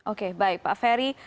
oke baik pak ferry